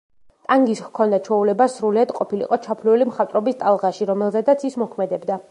ტანგის ჰქონდა ჩვეულება, სრულიად ყოფილიყო ჩაფლული მხატვრობის ტალღაში, რომელზედაც ის მოქმედებდა.